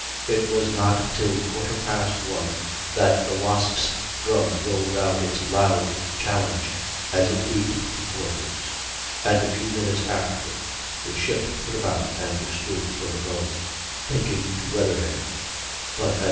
It was not till quarter past one that the Wasp's drum rolled out its loud challenge as it beat to quarters, and a few minutes afterward the ship put about and stood for the foe, thinking to weather him; but at 1.